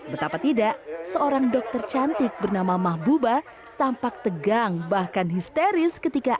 betapa tidak seorang dokter cantik bernama mahbuba tampak tegang bahkan histeris ketika